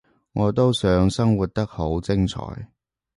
我都想生活得好精彩